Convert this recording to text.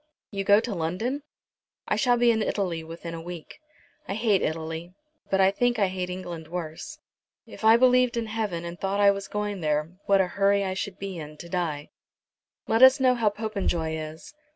"You go to London?" "I shall be in Italy within a week. I hate Italy, but I think I hate England worse. If I believed in heaven and thought I were going there, what a hurry I should be in to die." "Let us know how Popenjoy is."